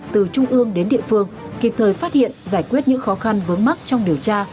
từ trung ương đến địa phương kịp thời phát hiện giải quyết những khó khăn vướng mắt trong điều tra